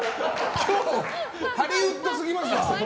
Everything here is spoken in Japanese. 今日、ハリウッドすぎますわ。